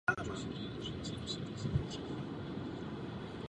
Je to též první Mini vybavené pohonem všech kol.